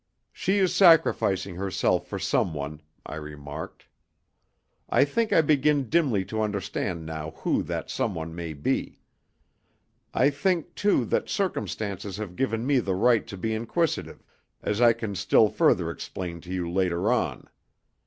"She is sacrificing herself for someone," I remarked. "I think I begin dimly to understand now who that someone may be. I think, too, that circumstances have given me the right to be inquisitive, as I can still further explain to you later on.